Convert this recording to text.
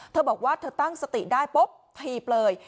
เธอบอกว่าเธอตั้งสติได้ปุ๊บถีบเลย